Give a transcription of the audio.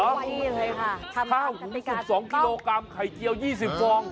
เอาไว้เลยค่ะทำงานกรรมิการต้องข้าว๕๒กิโลกรัมไข่เจียว๒๐ฟอง